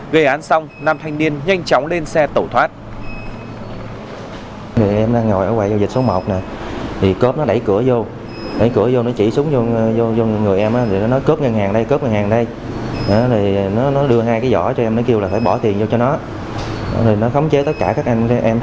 gây án xong nam thanh niên nhanh chóng lên xe tẩu thoát